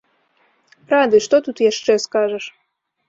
Рады, што тут яшчэ скажаш?